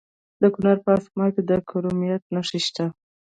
د کونړ په اسمار کې د کرومایټ نښې شته.